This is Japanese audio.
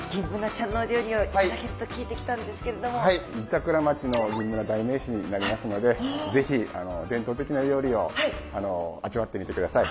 板倉町のギンブナ代名詞になりますので是非伝統的な料理を味わってみてください。